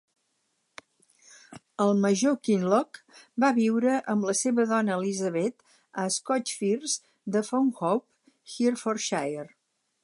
El major Kinloch va viure amb la seva dona Elizabeth a Scotch Firs de Fownhope, Herefordshire.